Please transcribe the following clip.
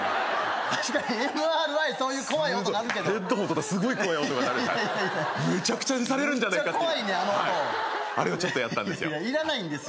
確かにＭＲＩそういう怖い音鳴るけどヘッドホン取ったらすごい怖い音が鳴るムチャクチャにされるんじゃないかってムッチャ怖いねんあの音あれをちょっとやったんですよいやいらないんですよ